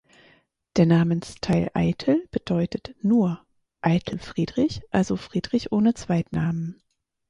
Der Namensteil „Eitel“ bedeutet „nur“, „Eitel Friedrich“ also „Friedrich ohne Zweitnamen“.